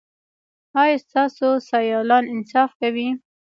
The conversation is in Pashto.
ایا ستاسو سیالان انصاف کوي؟